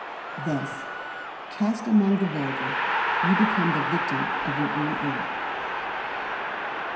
Thus, cast among the vulgar, you become the victim of your own error.